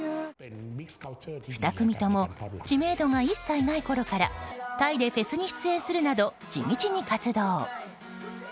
２組とも知名度が一切ないころからタイでフェスに出演するなど地道に活動。